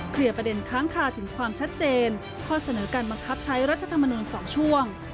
ประเด็นค้างคาถึงความชัดเจนข้อเสนอการบังคับใช้รัฐธรรมนูล๒ช่วง